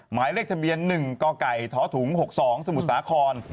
หมายเลขทะเบียน๑กไก่ทถุง๖๒สมุทรสาคร